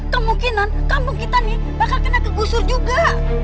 kemungkinan kampung kita nih bakal kena kegusur juga